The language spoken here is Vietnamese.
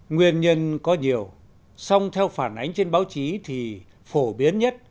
nguyên nhân có nhiều song theo phản ánh trên báo chí thì phổ biến nhất